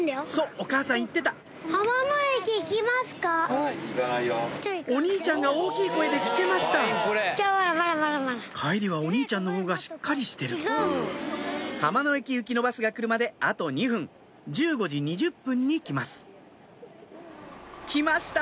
お母さん言ってたお兄ちゃんが大きい声で聞けました帰りはお兄ちゃんのほうがしっかりしてる浜野駅行きのバスが来るまであと２分１５時２０分に来ます来ました！